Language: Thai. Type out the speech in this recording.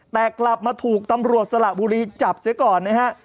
แต่กลับมาถูกตำรวจสละบุรีจับเสียก่อนนะฮะ